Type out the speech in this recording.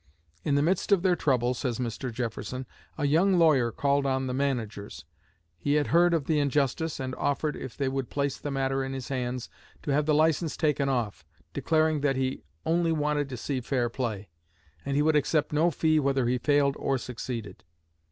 In the midst of their trouble, says Mr. Jefferson, "a young lawyer called on the Managers. He had heard of the injustice, and offered, if they would place the matter in his hands, to have the license taken off, declaring that he only wanted to see fair play, and he would accept no fee whether he failed or succeeded.